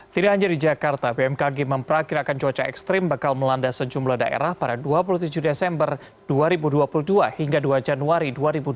tidak hanya di jakarta bmkg memperkirakan cuaca ekstrim bakal melanda sejumlah daerah pada dua puluh tujuh desember dua ribu dua puluh dua hingga dua januari dua ribu dua puluh